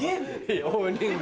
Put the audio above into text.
大人数で。